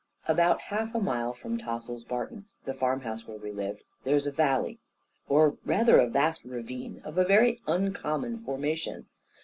About half a mile from Tossil's Barton (the farmhouse where we lived) there is a valley, or rather a vast ravine, of a very uncommon formation.